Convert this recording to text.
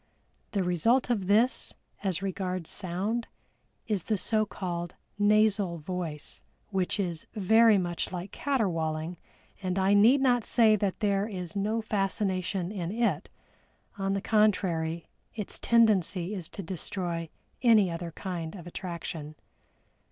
The result of this, as regards sound, is the so called nasal voice, which is very much like caterwauling, and I need not say that there is no fascination in it on the contrary its tendency is to destroy any other kind of attraction.